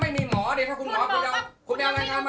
แม่พี่คือชีแจงชีแจงมาชีแจงมา